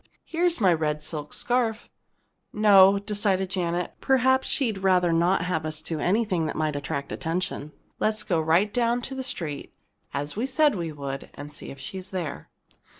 Here's my red silk scarf." "No," decided Janet. "Perhaps she'd rather not have us do anything that might attract attention. Let's go right down to the street, as we said we would, and see if she's there."